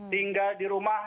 tinggal di rumah